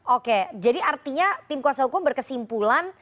oke jadi artinya tim kuasa hukum berkesimpulan